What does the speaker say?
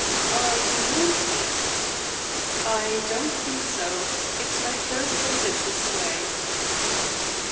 "Are you known here?" "I don't think so; it's my first visit this way."